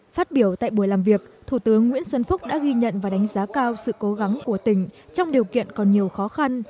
phát biểu tại buổi làm việc thủ tướng nguyễn xuân phúc đã ghi nhận và đánh giá cao sự cố gắng của tỉnh trong điều kiện còn nhiều khó khăn